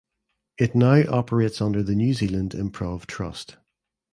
It now operates under the New Zealand Improv Trust.